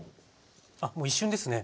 あっもう一瞬ですね。